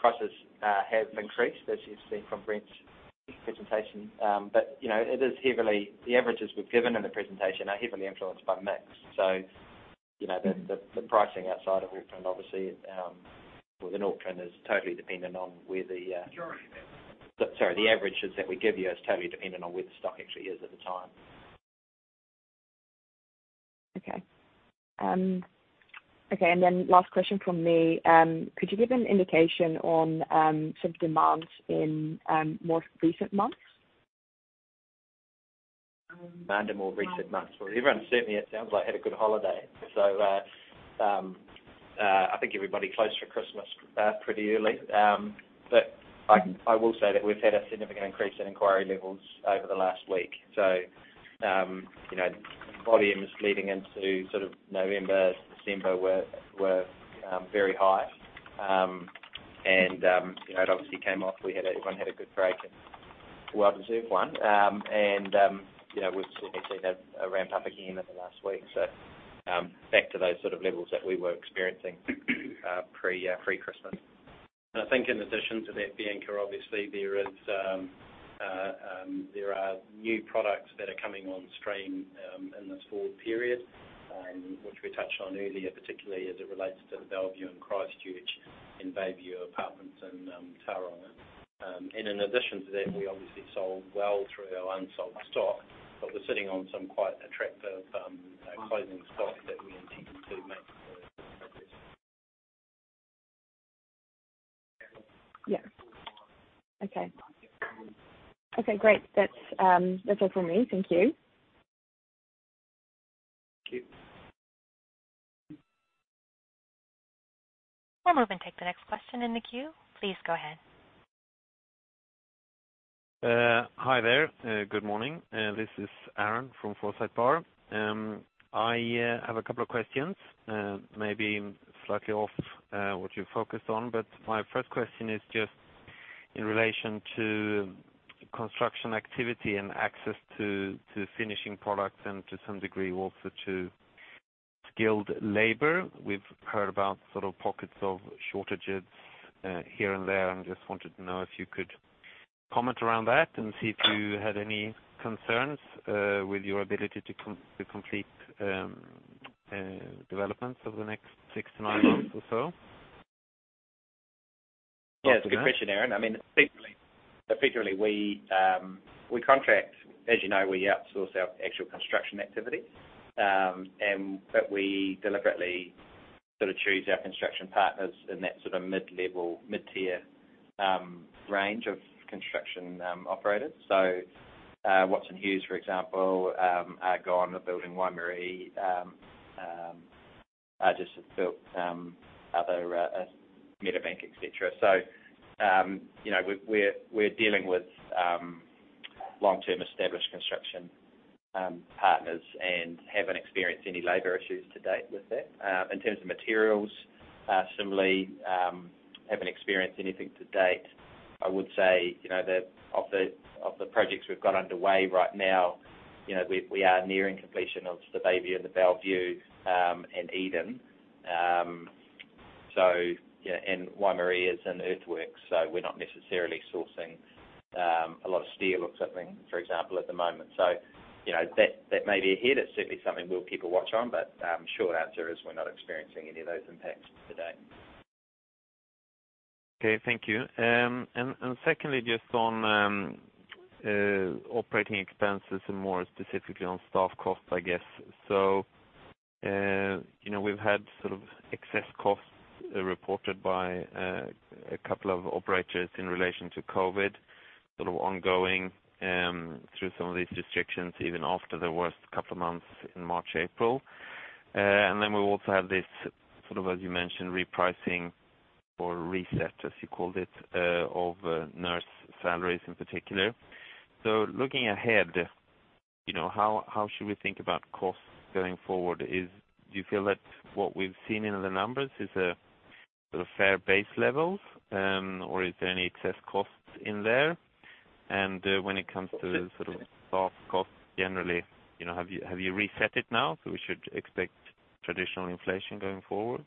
Prices have increased, as you've seen from Brent's presentation. The averages we've given in the presentation are heavily influenced by mix. The pricing outside of Auckland, obviously, within Auckland is totally dependent on where the. Majority. Sorry, the averages that we give you is totally dependent on which the stock actually is at the time. Okay. Last question from me. Could you give an indication on demand in more recent months? Demand in more recent months. Well, everyone certainly, it sounds like, had a good holiday. I think everybody closed for Christmas pretty early. I will say that we've had a significant increase in inquiry levels over the last week. Volumes leading into November, December were very high. It obviously came off. Everyone had a good break and a well-deserved one. We've certainly seen a ramp-up again in the last week, back to those levels that we were experiencing pre-Christmas. I think in addition to that, Bianca, obviously there are new products that are coming on stream in this forward period, which we touched on earlier, particularly as it relates to The Bellevue in Christchurch, and Bayview Apartments in Tauranga. In addition to that, we obviously sold well through our unsold stock. We're sitting on some quite attractive closing stock that we intend to make progress on. Yeah. Okay. Okay, great. That's all from me. Thank you. Thank you. We'll move and take the next question in the queue. Please go ahead. Hi there. Good morning. This is Aaron from Forsyth Barr. I have a couple of questions, maybe slightly off what you focused on, but my first question is just in relation to construction activity and access to finishing products and to some degree also to skilled labor. We've heard about pockets of shortages here and there, and just wanted to know if you could comment around that and see if you had any concerns with your ability to complete developments over the next six to nine months or so? Yeah, it's a good question, Aaron. Particularly, we contract, as you know, we outsource our actual construction activity. We deliberately choose our construction partners in that mid-level, mid-tier range of construction operators. Watts & Hughes, for example, are gone. We're building Waimarie. Just built other Meadowbank, et cetera. We're dealing with long-term established construction partners and haven't experienced any labor issues to date with that. In terms of materials, similarly, haven't experienced anything to date. I would say, of the projects we've got underway right now, we are nearing completion of the Bayview and The Bellevue in Eden. Waimarie is in earthworks, so we're not necessarily sourcing a lot of steel or something, for example, at the moment. That may be ahead. It's certainly something we'll keep a watch on. Short answer is we're not experiencing any of those impacts to date. Okay. Thank you. Secondly, just on operating expenses and more specifically on staff costs, I guess. We've had sort of excess costs reported by a couple of operators in relation to COVID, sort of ongoing through some of these restrictions, even after the worst couple of months in March, April. Then we also have this sort of, as you mentioned, repricing or reset, as you called it, of nurse salaries in particular. Looking ahead, how should we think about costs going forward? Do you feel that what we've seen in the numbers is a sort of fair base levels? Is there any excess costs in there? When it comes to sort of staff costs generally, have you reset it now, so we should expect traditional inflation going forward?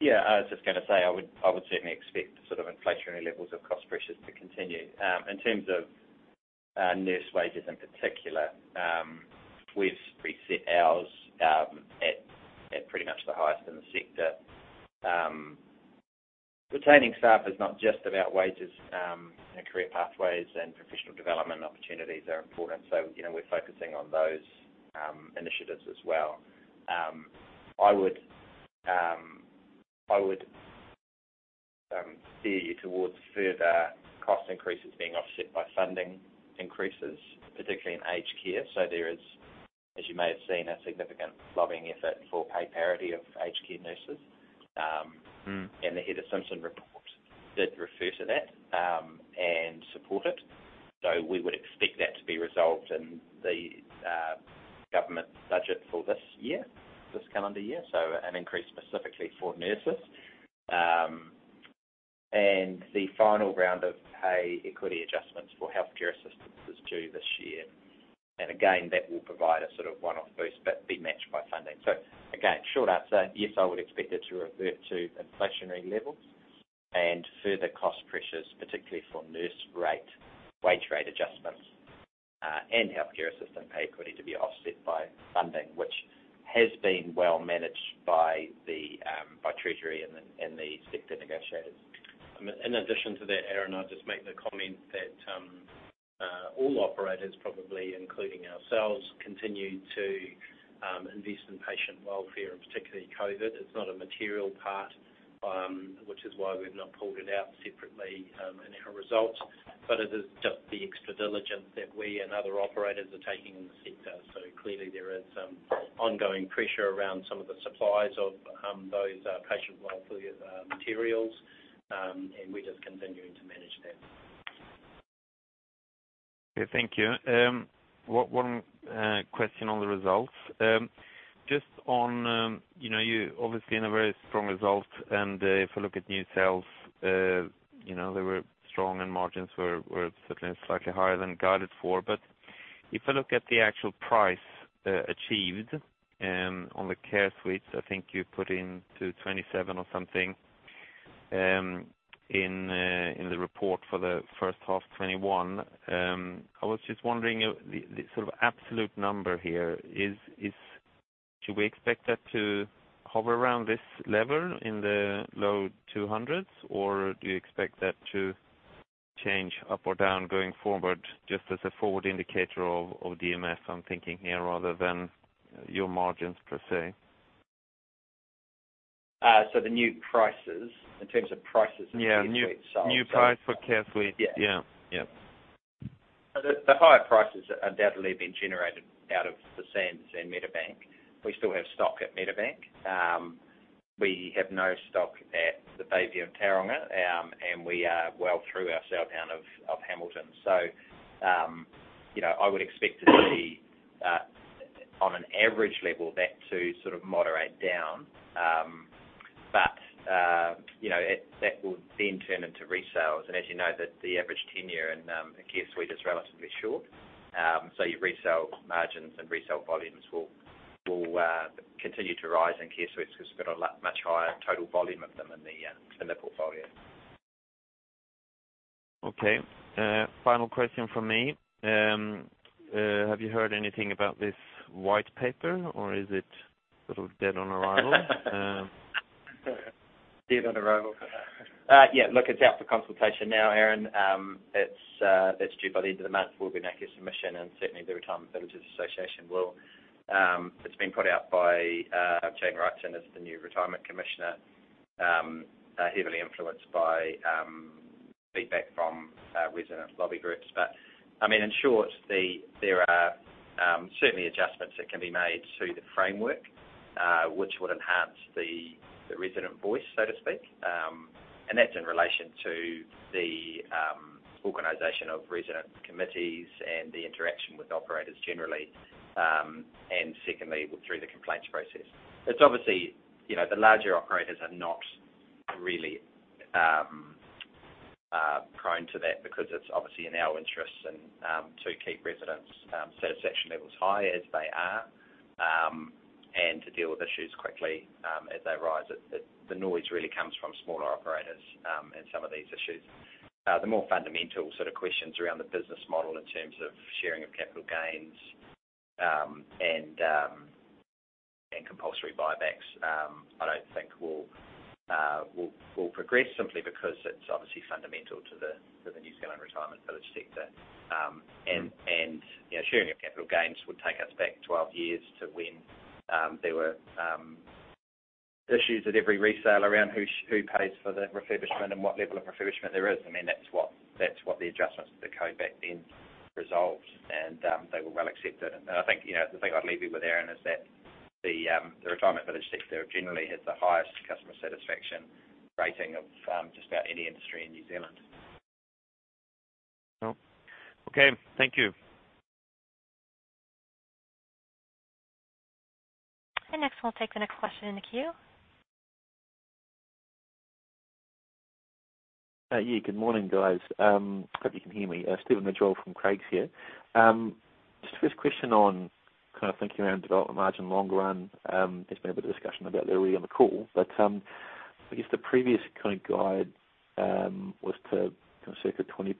I was just going to say, I would certainly expect inflationary levels of cost pressures to continue. In terms of nurse wages, in particular, we've preset ours at pretty much the highest in the sector. Retaining staff is not just about wages. Career pathways and professional development opportunities are important. We're focusing on those initiatives as well. I would steer you towards further cost increases being offset by funding increases, particularly in aged care. There is, as you may have seen, a significant lobbying effort for pay parity of aged care nurses. The Heather Simpson report did refer to that and support it. We would expect that to be resolved in the government budget for this year, this calendar year. An increase specifically for nurses. The final round of pay equity adjustments for healthcare assistants is due this year. Again, that will provide a sort of one-off boost, but be matched by funding. Again, short answer, yes, I would expect it to revert to inflationary levels and further cost pressures, particularly for nurse rate, wage rate adjustments, and healthcare assistant pay equity to be offset by funding, which has been well managed by Treasury and the sector negotiators. In addition to that, Aaron, I'll just make the comment that all operators, probably including ourselves, continue to invest in patient welfare and particularly COVID. It's not a material part, which is why we've not pulled it out separately in our results. It is just the extra diligence that we and other operators are taking in the sector. Clearly there is some ongoing pressure around some of the supplies of those patient welfare materials, and we're just continuing to manage that. Okay, thank you. One question on the results. You're obviously in a very strong result, and if I look at new sales, they were strong and margins were certainly slightly higher than guided for. If I look at the actual price achieved on the care suites, I think you put into 227,000 or something in the report for the first half 2021. I was just wondering, the sort of absolute number here is, should we expect that to hover around this level in the low NZD 200,000s? Or do you expect that to change up or down going forward? Just as a forward indicator of DMF, I'm thinking here, rather than your margins, per se. The new prices in terms of prices of new care suites sold? New price for care suite. Yeah. Yeah. The higher prices are undoubtedly being generated out of The Sands and Meadowbank. We still have stock at Meadowbank. We have no stock at the Bayview and Tauranga. We are well through our sell-down of Hamilton. I would expect to see, on an average level, that to sort of moderate down. That will then turn into resales. As you know, the care suite is relatively short. Your resale margins and resale volumes will continue to rise in care suite because we've got a much higher total volume of them in the portfolio. Okay. Final question from me. Have you heard anything about this white paper or is it sort of dead on arrival? Dead on arrival. Look, it's out for consultation now, Aaron. It's due by the end of the month. We'll be making a submission and certainly the Retirement Villages Association will. It's been put out by Jane Wrightson as the new Retirement Commissioner, heavily influenced by feedback from resident lobby groups. In short, there are certainly adjustments that can be made to the framework, which would enhance the resident voice, so to speak. That's in relation to the organization of resident committees and the interaction with operators generally, and secondly, through the complaints process. The larger operators are not really prone to that because it's obviously in our interests to keep residents' satisfaction levels high as they are, and to deal with issues quickly as they arise. The noise really comes from smaller operators in some of these issues. The more fundamental questions around the business model in terms of sharing of capital gains and compulsory buybacks, I don't think will progress simply because it's obviously fundamental to the New Zealand retirement village sector. Sharing of capital gains would take us back 12 years to when there were issues at every resale around who pays for the refurbishment and what level of refurbishment there is. That's what the adjustments to the code back then resolved, and they were well accepted. I think the thing I'd leave you with, Aaron, is that the retirement village sector generally has the highest customer satisfaction rating of just about any industry in New Zealand. Okay. Thank you. Next, we'll take the next question in the queue. Good morning, guys. Hope you can hear me. Stephen Ridgewell from Craigs here. Just a first question on thinking around development margin long run. There's been a bit of discussion about that already on the call, but I guess the previous current guide was to circa 20%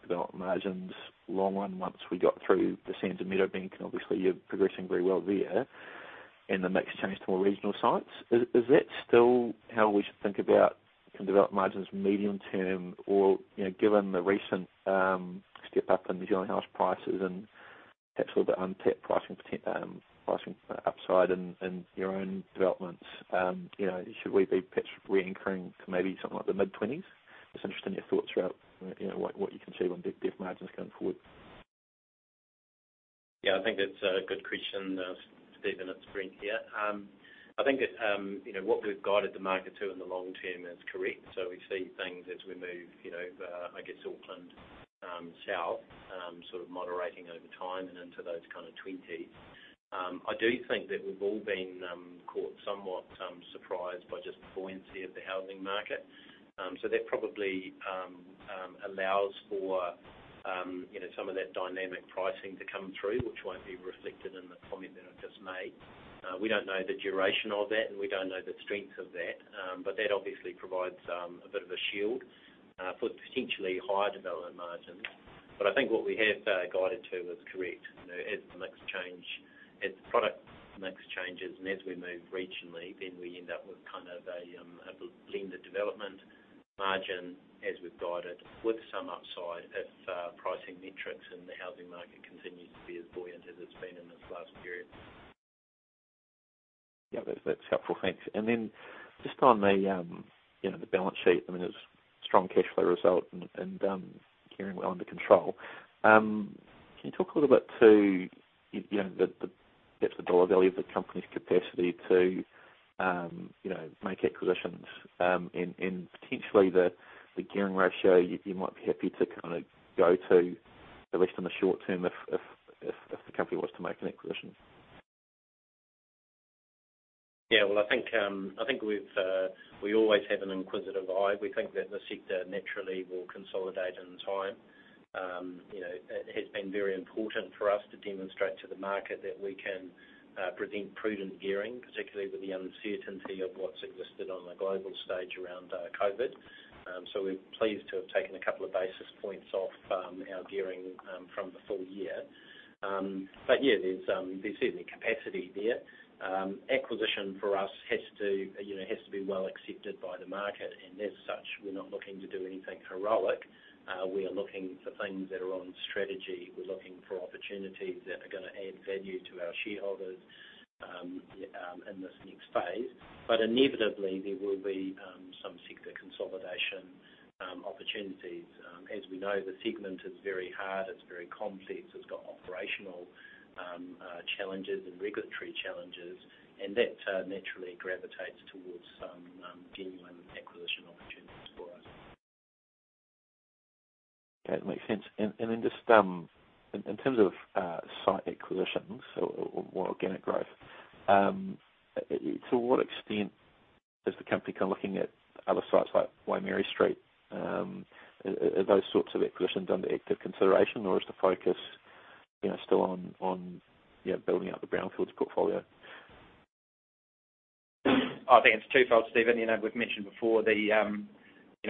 development margins long run once we got through The Sands and Meadowbank, obviously you're progressing very well there, and the mix change to more regional sites. Is that still how we should think about development margins medium term or, given the recent step up in New Zealand house prices and perhaps all the untapped pricing upside in your own developments, should we be perhaps re-anchoring to maybe something like the mid-20%? Just interested in your thoughts around what you can see on dev margins going forward. Yeah, I think that's a good question, Stephen. It's Brent here. I think that what we've guided the market to in the long term is correct. We see things as we move, I guess Auckland South, sort of moderating over time and into those kind of 20%. I do think that we've all been caught somewhat surprised by just the buoyancy of the housing market. That probably allows for some of that dynamic pricing to come through, which won't be reflected in the comment that I just made. We don't know the duration of that, and we don't know the strength of that. That obviously provides a bit of a shield for potentially higher development margins. I think what we have guided to is correct. As the product mix changes, and as we move regionally, then we end up with a blended development margin as we've guided, with some upside if pricing metrics in the housing market continue to be as buoyant as it's been in this last period. Yeah. That's helpful. Thanks. Then just on the balance sheet, it was a strong cash flow result and gearing well under control. Can you talk a little bit to perhaps the dollar value of the company's capacity to make acquisitions, and potentially the gearing ratio you might be happy to go to, at least in the short term if the company was to make an acquisition? Yeah. Well, I think we always have an inquisitive eye. We think that the sector naturally will consolidate in time. It has been very important for us to demonstrate to the market that we can present prudent gearing, particularly with the uncertainty of what's existed on the global stage around COVID. We're pleased to have taken a couple of basis points off our gearing from the full year. Yeah, there's certainly capacity there. Acquisition for us has to be well accepted by the market, and as such, we're not looking to do anything heroic. We are looking for things that are on strategy. We're looking for opportunities that are going to add value to our shareholders in this next phase. Inevitably, there will be some sector consolidation opportunities. As we know, the segment is very hard, it's very complex, it's got operational challenges and regulatory challenges, and that naturally gravitates towards genuine acquisition opportunities for us. That makes sense. Just in terms of site acquisitions or more organic growth, to what extent is the company looking at other sites like Waimarie Street? Are those sorts of acquisitions under active consideration, or is the focus still on building up the brownfields portfolio? I think it's twofold, Stephen. We've mentioned before that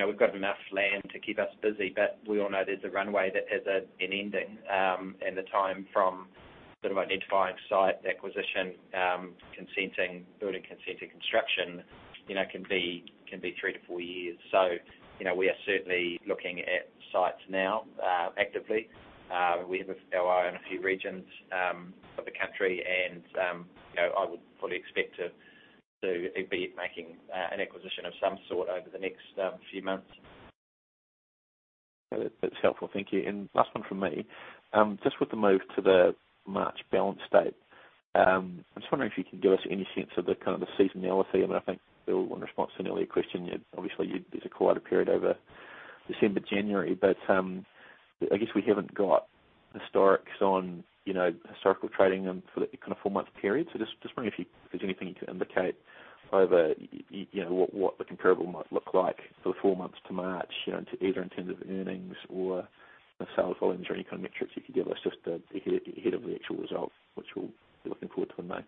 we've got enough land to keep us busy, but we all know there's a runway that has an ending, and the time from identifying site acquisition, consenting, building consent and construction can be three to four years. We are certainly looking at sites now actively. We have our eye on a few regions of the country, and I would fully expect to be making an acquisition of some sort over the next few months. That's helpful. Thank you. Last one from me. Just with the move to the March balance date, I'm just wondering if you can give us any sense of the seasonality. I think, Earl, in response to an earlier question, obviously, there's a quieter period over December, January. I guess we haven't got historical trading for the four-month period. Just wondering if there's anything you can indicate over what the comparable might look like for the four months to March, either in terms of earnings or sales volumes or any kind of metrics you could give us just ahead of the actual result, which we'll be looking forward to in May.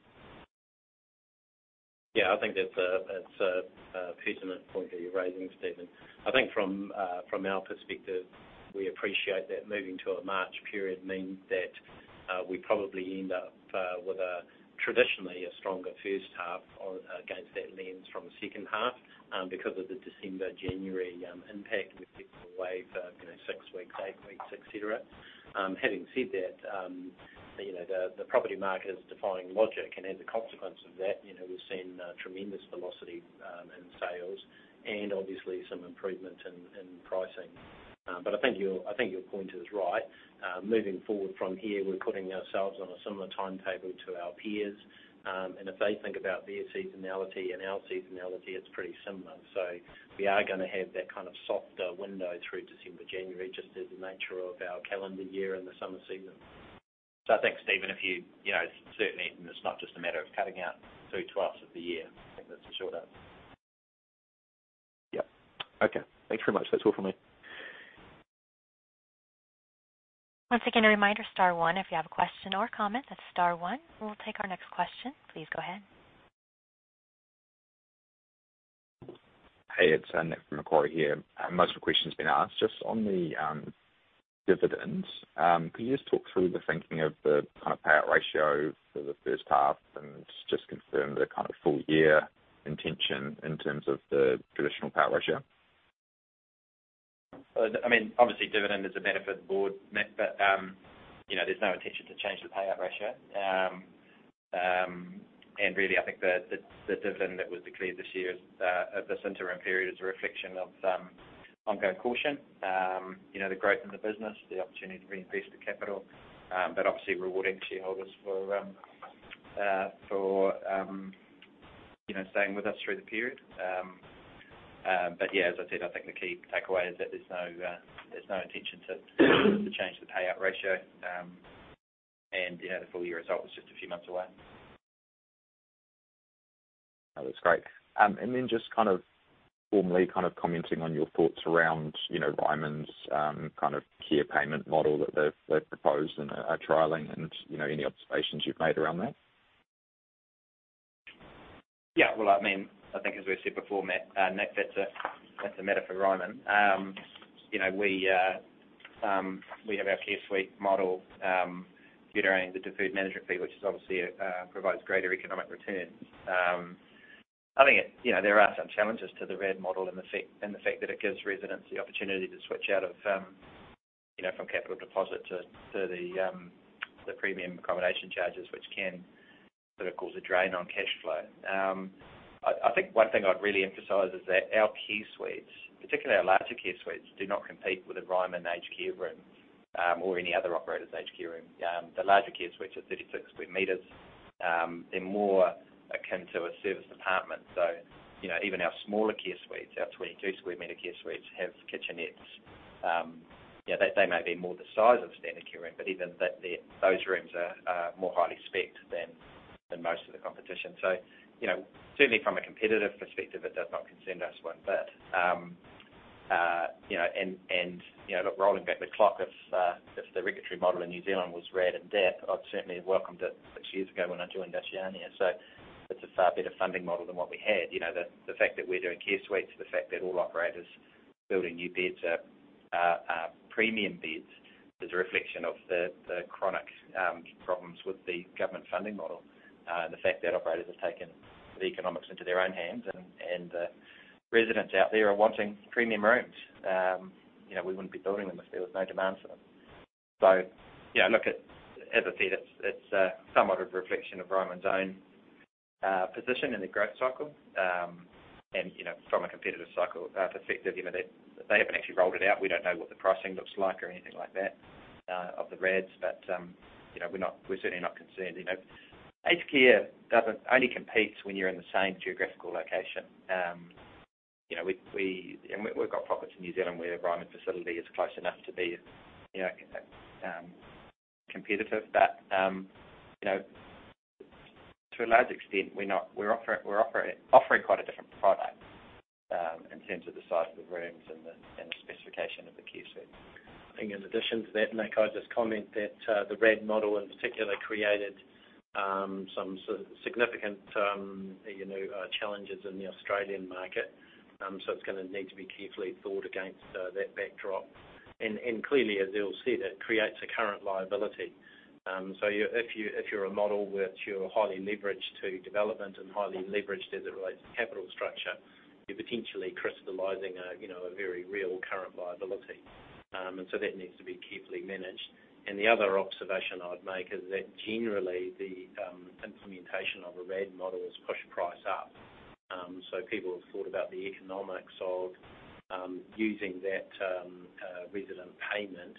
Yeah, I think that's a pertinent point that you're raising, Stephen. I think from our perspective, we appreciate that moving to a March period means that we probably end up with traditionally a stronger first half against that lens from the second half because of the December, January impact with people away for six weeks, eight weeks, et cetera. Having said that, the property market is defying logic, and as a consequence of that, we're seeing tremendous velocity in sales and obviously some improvement in pricing. I think your point is right. Moving forward from here, we're putting ourselves on a similar timetable to our peers, and if they think about their seasonality and our seasonality, it's pretty similar. We are going to have that softer window through December, January, just as the nature of our calendar year and the summer season. I think, Stephen, certainly it's not just a matter of cutting out 2/12 of the year. I think that's the short answer. Yep. Okay. Thanks very much. That's all from me. Once again, a reminder, star one, if you have a question or comment. That's star one. We'll take our next question. Please go ahead. Hey, it's Nick from Macquarie here. Most of the question's been asked. Just on the dividends, could you just talk through the thinking of the payout ratio for the first half and just confirm the full year intention in terms of the traditional payout ratio? Obviously, dividend is a benefit board, Nick, but there's no intention to change the payout ratio. Really, I think the dividend that was declared this interim period is a reflection of ongoing caution. The growth in the business, the opportunity to increase the capital, but obviously rewarding shareholders for staying with us through the period. Yeah, as I said, I think the key takeaway is that there's no intention to change the payout ratio. The full year result is just a few months away. That's great. Then just formally commenting on your thoughts around Ryman's care payment model that they've proposed and are trialing and any observations you've made around that. I think as we've said before, Nick, that's a matter for Ryman. We have our care suite model featuring the deferred management fee, which obviously provides greater economic return. I think there are some challenges to the RAD model and the fact that it gives residents the opportunity to switch from capital deposit to the Premium Accommodation Charges, which can cause a drain on cash flow. I think one thing I'd really emphasize is that our care suites, particularly our larger care suites, do not compete with a Ryman aged care room or any other operator's aged care room. The larger care suites are 36 sq m. They're more akin to a serviced apartment. Even our smaller care suites, our 22 sq m care suites, have kitchenettes. They may be more the size of a standard care room but even those rooms are more highly specced than most of the competition. Certainly from a competitive perspective, it does not concern us one bit. Rolling back the clock, if the regulatory model in New Zealand was RAD and DAP, I'd certainly have welcomed it six years ago when I joined Oceania. It's a far better funding model than what we had. The fact that we're doing care suites, the fact that all operators building new beds are premium beds is a reflection of the chronic problems with the government funding model and the fact that operators have taken the economics into their own hands and residents out there are wanting premium rooms. We wouldn't be building them if there was no demand for them. As I said, it's somewhat a reflection of Ryman's own position in the growth cycle. From a competitive cycle perspective, they haven't actually rolled it out. We don't know what the pricing looks like or anything like that of the RADs, but we're certainly not concerned. Aged care only competes when you're in the same geographical location. We've got properties in New Zealand where a Ryman facility is close enough to be competitive. To a large extent, we're offering quite a different product in terms of the size of the rooms and the specification of the care suite. I think in addition to that, Nick, I'll just comment that the RAD model in particular created some significant challenges in the Australian market. It's going to need to be carefully thought against that backdrop. Clearly, as Neil said, it creates a current liability. If you're a model where you're highly leveraged to development and highly leveraged as it relates to capital structure, you're potentially crystallizing a very real current liability. That needs to be carefully managed. The other observation I would make is that generally, the implementation of a RAD model has pushed price up. People have thought about the economics of using that resident payment,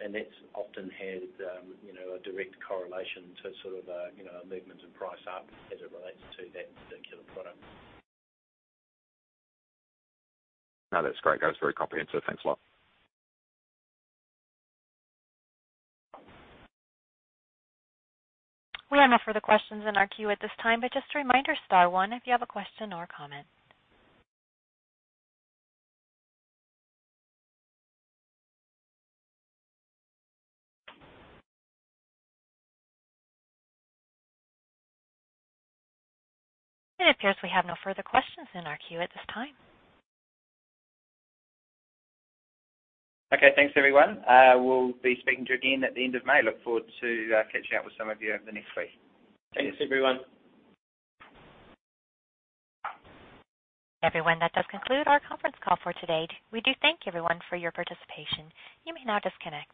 and that's often had a direct correlation to a movement in price up as it relates to that particular product. No, that's great, guys. Very comprehensive. Thanks a lot. We have no further questions in our queue at this time, but just a reminder, star one if you have a question or comment. It appears we have no further questions in our queue at this time. Okay, thanks everyone. We'll be speaking to you again at the end of May. Look forward to catching up with some of you over the next week. Thanks, everyone. Everyone, that does conclude our conference call for today. We do thank everyone for your participation. You may now disconnect.